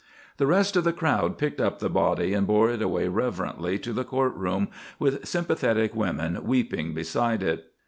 The rest of the crowd picked up the body and bore it away reverently to the court room, with sympathetic women weeping beside it.